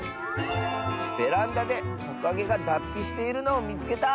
「ベランダでトカゲがだっぴしているのをみつけた！」。